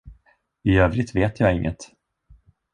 I övrigt vet jag inget.